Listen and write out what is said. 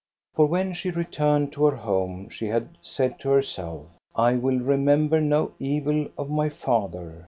For when she returned to her home she had said to herself, I will remember no evil of my father."